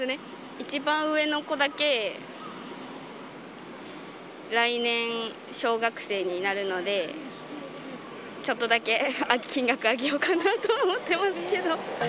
一番上の子だけ、来年、小学生になるので、ちょっとだけ金額上げようかなとは思ってますけど。